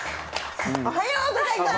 おはようございます。